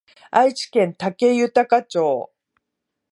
愛知県武豊町